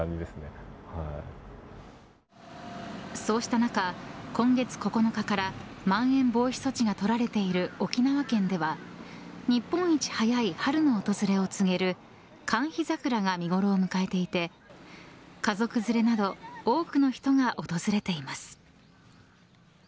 そうした中、今月９日からまん延防止措置が取られている沖縄県では日本一早い春の訪れを告げるカンヒザクラが見頃を迎えていて家族連れなど多くの人が訪れています。